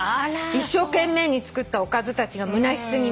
「一生懸命に作ったおかずたちがむなし過ぎます」